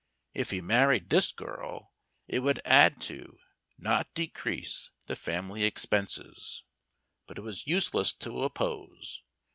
If he married this girl, it would add to, not decrease, the family expenses. But it was useless to oppose.